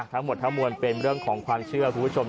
ทั้งหมดทั้งมวลเป็นเรื่องของความเชื่อคุณผู้ชม